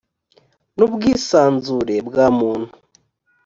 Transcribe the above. n ubwisanzure bwa muntu